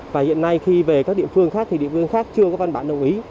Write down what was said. và hiện nay khi về các địa phương khác thì địa phương khác chưa có văn bản đồng ý